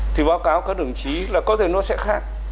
thì báo cáo các đồng chí là có thể nó sẽ khác